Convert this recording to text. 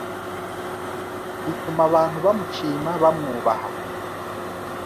bituma abantu bamushima, bamwubaha